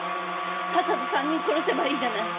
さっさと３人殺せばいいじゃない。